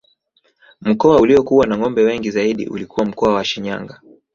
Mkoa uliokuwa na ngombe wengi zaidi ulikuwa mkoa wa Shinyanga